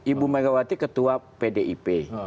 ibu megawati ketua pdip